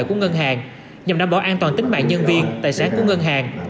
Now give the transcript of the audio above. của ngân hàng nhằm đảm bảo an toàn tính mạng nhân viên tài sản của ngân hàng